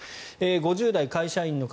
５０代、会社員の方